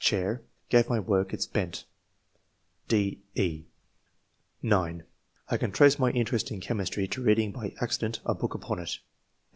chair, gave my work its bent " (o?, e) (9) " I can trace my interest in chemistry to reading by accident a book upon it."